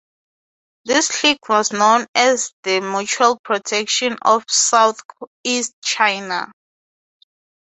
This clique was known as the The Mutual Protection of Southeast China.